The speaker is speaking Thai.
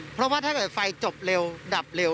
เพราะว่าถ้าเกิดไฟจบเร็วดับเร็ว